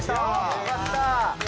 よかった。